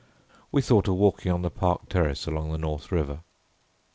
"We thought of walking on the park terrace along the North River."